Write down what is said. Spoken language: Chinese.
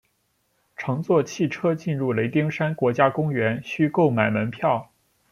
乘坐汽车进入雷丁山国家公园需购买门票。